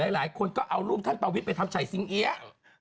หลายคนก็เอารูปท่านประวิทย์ไปทำฉายซิงเอี๊ยะ